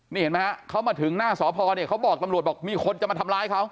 นี่เห็นไหมฮะเขามาถึงหน้าสพเนี่ยเขาบอกตำรวจบอกมีคนจะมาทำร้ายเขา